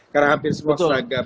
karena hampir semua seragam